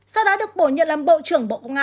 sau đó được bổ nhiệm làm bộ trưởng bộ công an